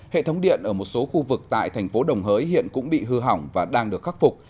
hệ thống điện ở một số khu vực tại thành phố đồng hới hiện cũng bị hư hỏng và đang được khắc phục